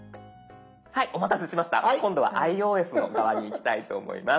はいお待たせしました今度はｉＯＳの側にいきたいと思います。